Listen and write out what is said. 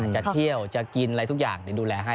จะเที่ยวจะกินอะไรทุกอย่างดูแลให้